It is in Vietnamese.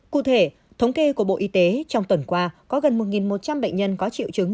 cụ thể thống kê của bộ y tế trong tuần qua có gần một một trăm linh bệnh nhân có triệu chứng